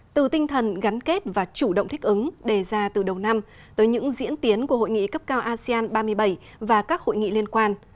từ tinh thần gắn kết và chủ động thích ứng đề ra từ đầu năm tới những diễn tiến của hội nghị cấp cao asean ba mươi bảy và các hội nghị liên quan